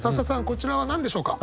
こちらは何でしょうか？